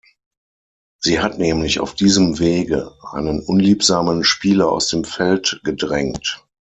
Sie hat nämlich auf diesem Wege einen unliebsamen Spieler aus dem Feld gedrängt.